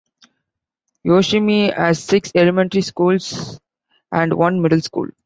Yoshimi has six elementary schools and one middle school.